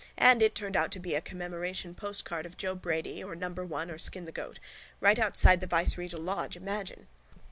And it turned out to be a commemoration postcard of Joe Brady or Number One or Skin the Goat. Right outside the viceregal lodge, imagine!